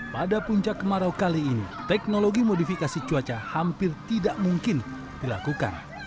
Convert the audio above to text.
pada puncak kemarau kali ini teknologi modifikasi cuaca hampir tidak mungkin dilakukan